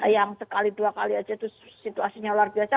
yang sekali dua kali aja itu situasinya luar biasa